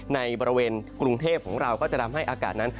ในบริเวณกรุงเทพของเราก็จะทำให้อากาศนั้น